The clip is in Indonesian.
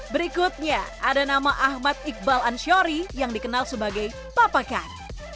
berikutnya ada nama ahmad iqbal anshori yang dikenal sebagai papakan